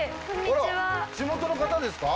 地元の方ですか？